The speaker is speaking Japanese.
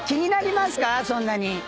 そんなに。